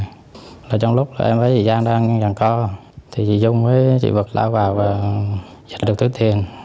rồi trong lúc em với chị giang đang gần co thì chị dung với chị vật lao vào và giật được tuyết tiền